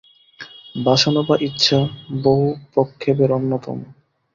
বাসনা বা ইচ্ছা বহু প্রক্ষেপের অন্যতম।